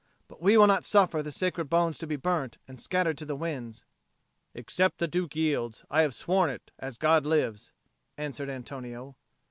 But we will not suffer the sacred bones to be burnt and scattered to the winds." "Except the Duke yields, I have sworn it, as God lives," answered Antonio.